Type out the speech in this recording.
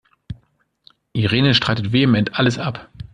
Irene streitet vehement alles ab.